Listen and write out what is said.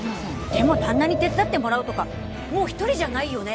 でも旦那に手伝ってもらうとかもう一人じゃないよね